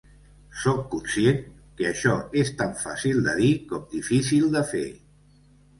Sóc conscient que això és tan fàcil de dir com difícil de fer.